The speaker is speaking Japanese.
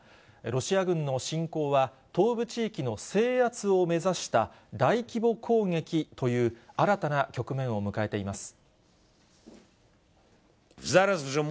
ロシア軍の侵攻は、東部地域の制圧を目指した大規模攻撃という、新たな局面を迎えています。